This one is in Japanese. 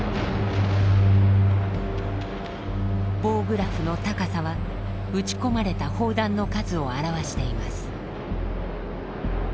棒グラフの高さは撃ち込まれた砲弾の数を表しています。